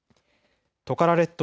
トカラ列島